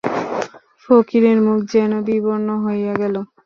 ফকিরের মুখ যেন বিবর্ণ হইয়া গেল।